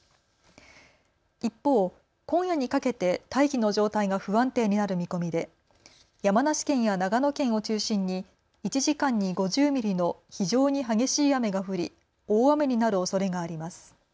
一方、今夜にかけて大気の状態が不安定になる見込みで山梨県や長野県を中心に１時間に５０ミリの非常に激しい雨が降り大雨になるおそれがあります。